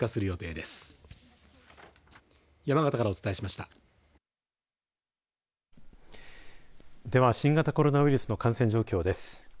では新型コロナウイルスの感染状況です。